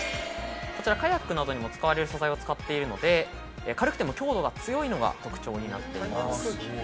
こちらカヤックなどにも使われる素材を使っているので軽くても強度が強いのが特徴になっています。